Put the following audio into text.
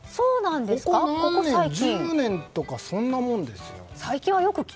ここ十年とかそんなもんです。